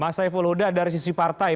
mas saiful huda dari sisi partai